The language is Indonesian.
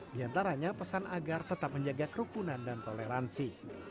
di antaranya pesan agar tetap menjaga kerukunan dan toleransi